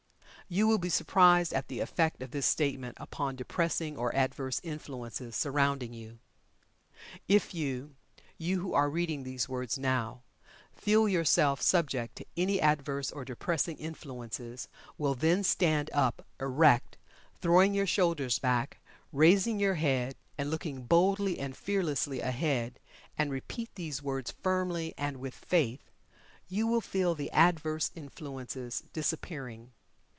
You will be surprised at the effect of this STATEMENT upon depressing, or adverse influences surrounding you. If you you who are reading these words now feel yourself subject to any adverse or depressing influences, will then stand up erect, throwing your shoulders back, raising your head, and looking boldly and fearlessly ahead, and repeat these words firmly, and with faith, you will feel the adverse influences disappearing.